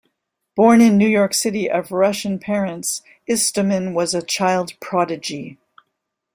Born in New York City of Russian parents, Istomin was a child prodigy.